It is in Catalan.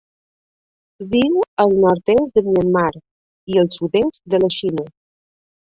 Viu al nord-est de Myanmar i el sud-oest de la Xina.